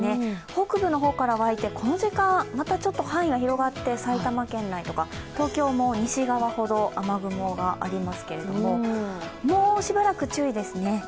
北部の法から湧いて、この時間、また範囲が広がって埼玉県内とか東京も西側ほど雨雲がありますけれども、もうしばらく注意ですね。